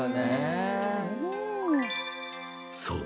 そう！